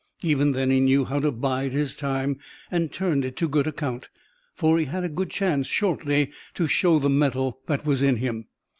Even then "he knew how to bide his time," and turned it to good account, for he had a good chance, shortly to show the metal that was in him.